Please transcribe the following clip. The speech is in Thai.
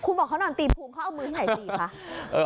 คุณบอกเขานอนตีภูมิเขาเอามือที่ไหนตีคะ